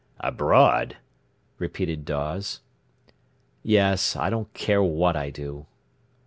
"Abroad!" repeated Dawes. "Yes; I don't care what I do."